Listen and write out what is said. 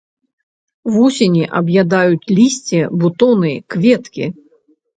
Вусені аб'ядаюць лісце, бутоны, кветкі.